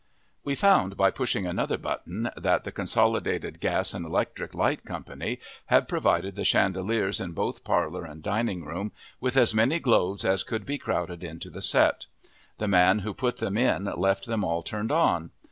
We found, by pushing another button, that the Consolidated Gas and Electric Light Company had provided the chandeliers in both parlor and dining room with as many globes as could be crowded into the set. The man who put them in left them all turned on.